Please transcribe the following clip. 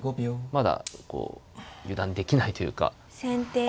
まだこう油断できないというか。